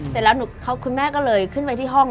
เสร็จแล้วคุณแม่ก็เลยขึ้นไปที่ห้อง